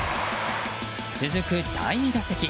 続く第２打席。